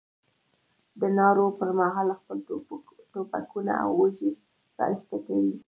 د نارو پر مهال خپل ټوپکونه له اوږې را ایسته کوي.